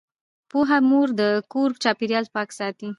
پوهه مور د کور چاپیریال پاک ساتي۔